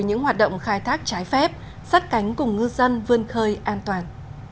những hoạt động khai thác trái phép sát cánh cùng ngư dân vươn khơi an toàn